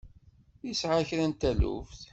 Yesɛa kra n taluft?